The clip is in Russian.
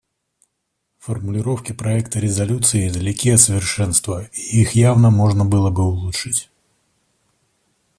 Формулировки проекта резолюции далеки от совершенства, и их явно можно было бы улучшить.